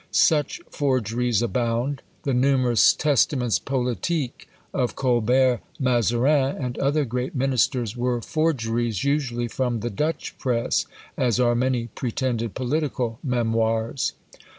Such forgeries abound; the numerous "Testaments Politiques" of Colbert, Mazarin, and other great ministers, were forgeries usually from the Dutch press, as are many pretended political "Memoirs."